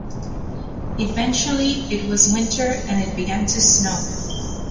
Eventually it was winter and it began to snow.